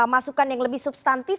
masukan yang lebih substantif